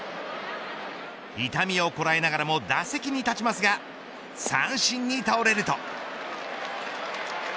痛みをこらえながらも打席に立ちますが三振に倒れると。